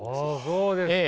そうですか。